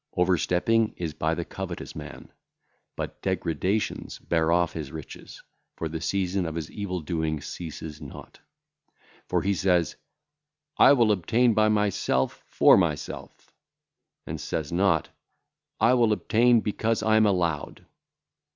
Overstepping is by the covetous man; but degradations (?) bear off his riches, for the season of his evil doing ceaseth not. For he saith, 'I will obtain by myself for myself,' and saith not, 'I will obtain because I am allowed.'